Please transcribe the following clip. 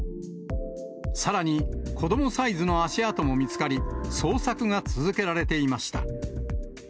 さらに、子どもサイズの足跡も見つかり、捜索が続けられていました。